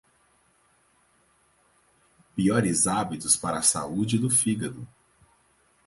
Piores hábitos para a saúde do fígado